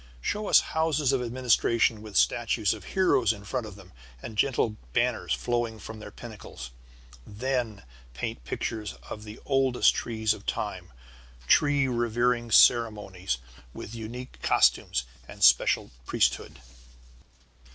Show us houses of administration with statues of heroes in front of them and gentle banners flowing from their pinnacles. Then paint pictures of the oldest trees of the time, and tree revering ceremonies, with unique costumes and a special priesthood.